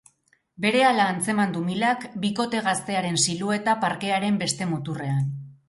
Berehala antzeman du Milak bikote gaztearen silueta parkearen beste muturrean.